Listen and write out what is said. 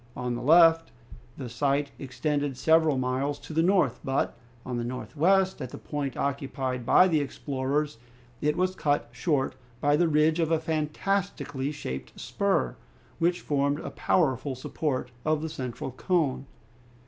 On the left, the sight extended several miles to the north; but, on the northwest, at the point occupied by the explorers, it was cut short by the ridge of a fantastically shaped spur, which formed a powerful support of the central cone.